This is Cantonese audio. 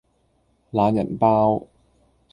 懶人包